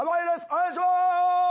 お願いします。